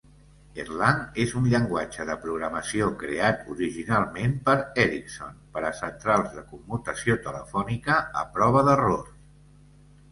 Erlang és un llenguatge de programació creat originalment per Ericsson per a centrals de commutació telefònica a prova d'errors.